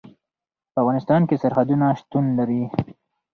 په افغانستان کې سرحدونه شتون لري.